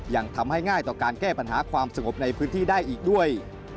ยังทำให้ง่ายต่อการแก้ปัญหาความสงบในพื้นที่ได้อีกด้วย